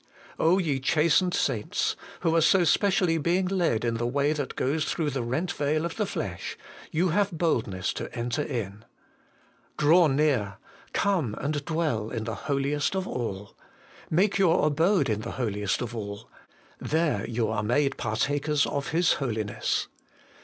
ye chastened saints! who are so specially being led in the way that goes through the rent veil of the flesh, you have boldness to enter in. Draw near ; come and dwell in the Holiest of all. Make your abode in the Holiest of all: there you are made partakers of His Holiness.